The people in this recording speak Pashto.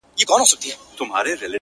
او نسلونه يې يادوي تل تل,